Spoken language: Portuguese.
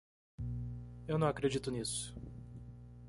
Eu não acredito nisso.